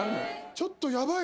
ちょっとヤバい。